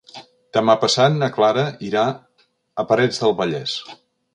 Demà passat na Clara irà a Parets del Vallès.